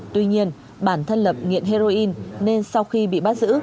tuy nhiên bản thân lập nghiện heroin nên sau khi bị bắt giữ